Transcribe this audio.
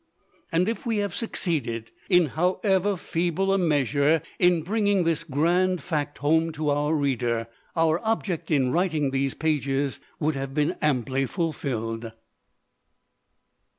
And if we have succeeded (in however feeble a measure) in bringing this grand fact home to our reader, our object in writing these pages would have been amply fulfilled.